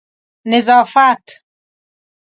نظافت